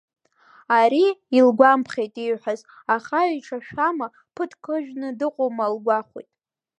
Ари илгәамԥхеит ииҳәаз, аха иҿашәама, ԥыҭк ыжәны дыҟоума лгәахәит.